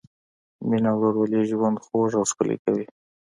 مینه او ورورولي ژوند خوږ او ښکلی کوي.